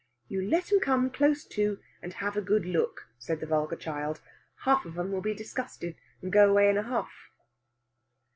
"You let 'em come close to, and have a good look," said the vulgar child. "Half of 'em will be disgusted, and go away in a huff."